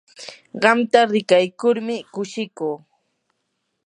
qamta rikaykurmi kushikuu.